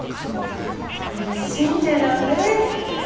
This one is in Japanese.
うれしいんじゃろうねえ。